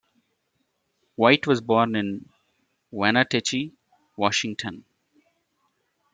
White was born in Wenatchee, Washington.